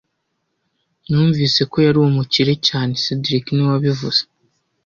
Numvise ko yari umukire cyane cedric niwe wabivuze